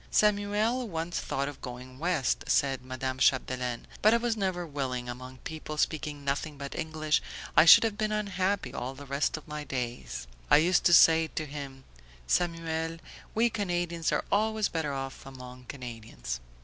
"Samuel once thought of going West," said Madame Chapdelaine, "but I was never willing. Among people speaking nothing but English I should have been unhappy all the rest of my days. I used to say to him 'Samuel, we Canadians are always better off among Canadians.'"